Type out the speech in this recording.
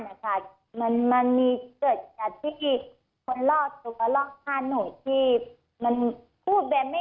มันจะมีเกิดที่เป็นคนลอกหนู